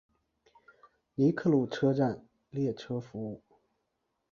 尼克路车站列车服务。